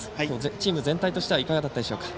チーム全体としてはいかがだったでしょうか？